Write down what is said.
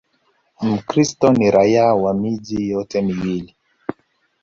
Mkristo ni raia wa miji yote miwili.